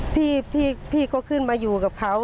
พี่ก็ขึ้นมาอยู่กับเขา